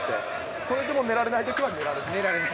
それでも寝られないときは寝られない？